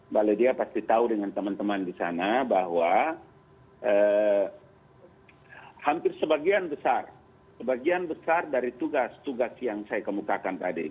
mbak lydia pasti tahu dengan teman teman di sana bahwa hampir sebagian besar sebagian besar dari tugas tugas yang saya kemukakan tadi